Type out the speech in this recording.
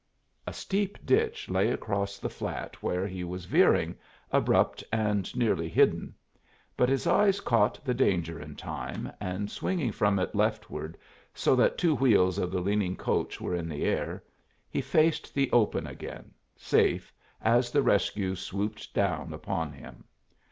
A steep ditch lay across the flat where he was veering, abrupt and nearly hidden; but his eye caught the danger in time, and swinging from it leftward so that two wheels of the leaning coach were in the air, he faced the open again, safe, as the rescue swooped down upon him.